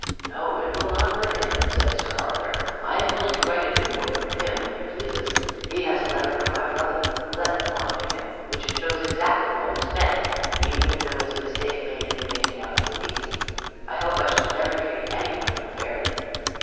"No, it will not hurt him," said Sir Arthur. "I am willing to write a new one for him when he pleases. He has a letter from my brother who let the farm to him, which shows exactly what was meant, even if there was a mistake made in making out the lease. I hope I shall never treat any one unfairly."